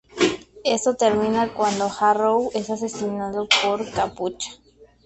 Esto termina cuando Harrow es asesinado por Capucha.